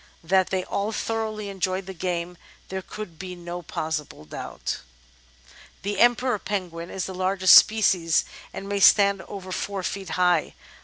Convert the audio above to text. That they all thoroughly enjoyed the game, there could be no possible doubt." ^ The Emperor Penguin is the largest species and may stand over four feet high.